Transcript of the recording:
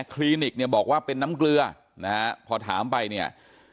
คลินิกเนี่ยบอกว่าเป็นน้ำเกลือนะฮะพอถามไปเนี่ย